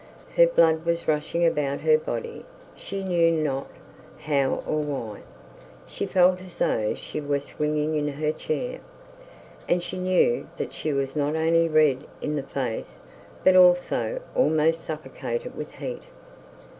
Her blood was rushing about her body she knew not how or why. She felt as though she were swinging in her chair; and she knew that she was not only red in the face, but also almost suffocated with heat.